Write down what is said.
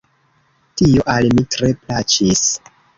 Tio al mi tre plaĉis.